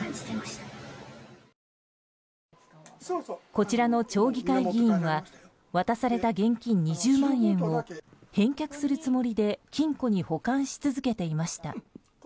こちらの町議会議員は渡された現金２０万円を返却するつもりで金庫に保管し続けていました。